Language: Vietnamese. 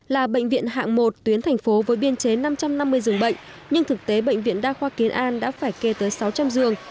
là bệnh viện hạng một tuyến thành phố với biên chế năm trăm năm mươi giường bệnh nhưng thực tế bệnh viện đa khoa kiến an đã phải kê tới sáu trăm linh giường